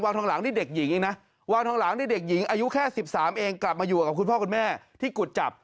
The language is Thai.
ทองหลังนี่เด็กหญิงเองนะวางทองหลังนี่เด็กหญิงอายุแค่๑๓เองกลับมาอยู่กับคุณพ่อคุณแม่ที่กุจจับ